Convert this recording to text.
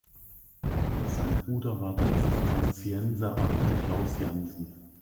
Sein Bruder war der Zisterzienserabt Klaus Jansen.